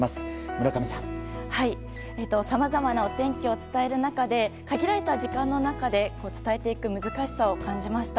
さまざまなお天気を伝える中で限られた時間の中で伝える難しさを感じました。